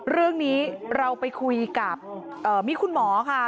เรื่องนี้เราไปคุยกับมีคุณหมอค่ะ